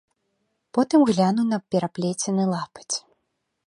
Потым глянуў на пераплецены лапаць.